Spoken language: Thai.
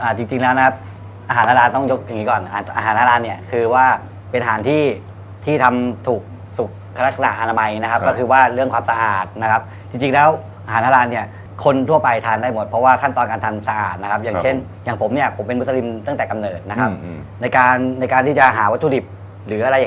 จริงแล้วนะครับอาหารอาราต้องยกอย่างงี้ก่อนอาหารอารานเนี่ยคือว่าเป็นอาหารที่ที่ทำถูกสุขลักษณะอนามัยนะครับก็คือว่าเรื่องความสะอาดนะครับจริงแล้วอาหารอารานเนี่ยคนทั่วไปทานได้หมดเพราะว่าขั้นตอนการทำสะอาดนะครับอย่างเช่นอย่างผมเนี่ยผมเป็นมุสลิมตั้งแต่กำเนิดนะครับในการในการที่จะหาวัตถุดิบหรืออะไรอย่าง